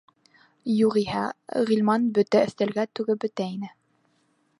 Юғиһә, Ғилман бөтә өҫтәлгә түгеп бөтә ине.